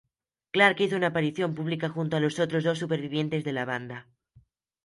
Clark, hizo una aparición pública junto a los otros dos supervivientes de la banda.